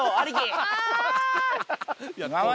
あ！